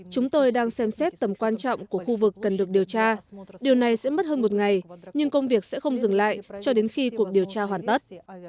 chúng tôi đang xem xét tầm quan trọng của khu vực cần được điều tra điều này sẽ mất hơn một ngày nhưng công việc sẽ không dừng lại cho đến khi cuộc điều tra hoàn tất